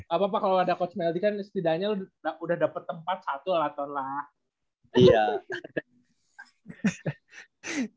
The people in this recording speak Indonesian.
gapapalau ada coach meldy kan setidaknya udah udah dapet tempat satu lah ton lah